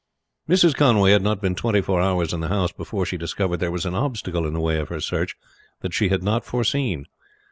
Mrs. Conway had not been twenty four hours in the house before she discovered there was an obstacle in the way of her search that she had not foreseen.